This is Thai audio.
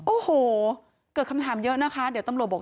โอ้โหเกิดคำถามเยอะนะคะเดี๋ยวตำรวจบอก